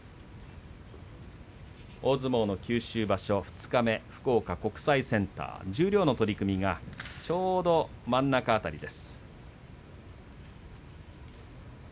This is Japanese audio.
大相撲九州場所二日目福岡国際センター、十両の取組がちょうど真ん中辺りです。